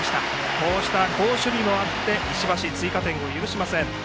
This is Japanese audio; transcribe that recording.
こうした好守備もあって石橋は追加点を許しません。